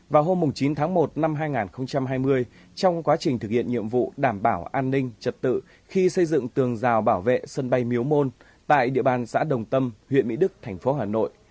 vào hôm chín tháng một năm hai nghìn hai mươi trong quá trình thực hiện nhiệm vụ đảm bảo an ninh trật tự khi xây dựng tường rào bảo vệ sân bay miếu môn tại địa bàn xã đồng tâm huyện mỹ đức thành phố hà nội